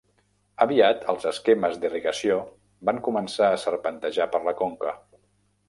Aviat els esquemes d"irrigació van començar a serpentejar per la conca.